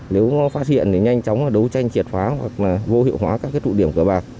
nếu phát hiện thì nhanh chóng đấu tranh triệt phá hoặc vô hiệu hóa các thụ điểm cờ bạc